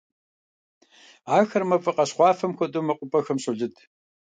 Ахэр мафӀэ къащхъуафэм хуэдэу мэкъупӀэхэм щолыд.